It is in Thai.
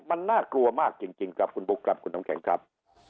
มันน่ากลัวมากจริงครับคุณบุ๊คครับคุณน้ำแข็งครับ